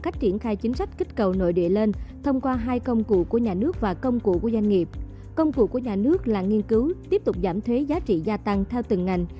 công cụ của nhà nước là nghiên cứu tiếp tục giảm thuế giá trị gia tăng theo từng ngành